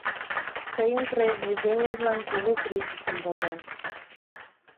— Тыйын произведениетлан кугу критикым возем...